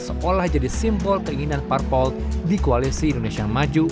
seolah jadi simbol keinginan parpol di koalisi indonesia maju